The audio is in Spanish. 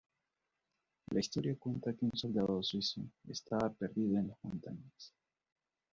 La historia cuenta que un soldado suizo estaba perdido en las montañas.